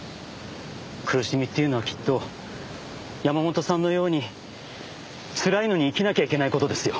苦しみっていうのはきっと山本さんのようにつらいのに生きなきゃいけない事ですよ。